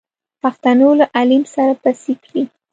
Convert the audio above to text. پښتنو له عليم سره پڅې کړې.